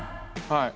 はい。